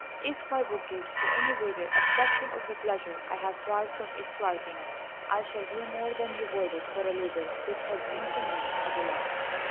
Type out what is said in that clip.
If my book gives to any reader a fraction of the pleasure I have derived from its writing, I shall be more than rewarded for a labour which has been to me a delight.